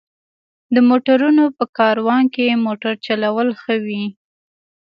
د موټرونو په کاروان کې موټر چلول ښه وي.